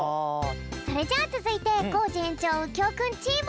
それじゃあつづいてコージ園長うきょうくんチーム！